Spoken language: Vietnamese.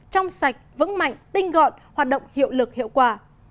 trong sạch vững mạnh tinh gọn hoạt động hiệu lực hiệu quả